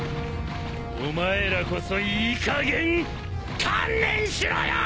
お前らこそいいかげん観念しろよ！